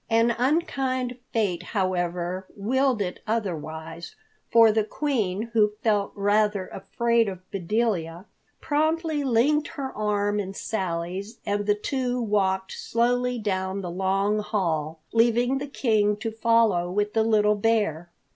An unkind fate, however, willed it otherwise, for the Queen, who felt rather afraid of Bedelia, promptly linked her arm in Sally's and the two walked slowly down the long hall, leaving the King to follow with the little bear.